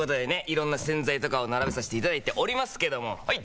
色んな洗剤とかを並べさせていただいておりますけどもはい！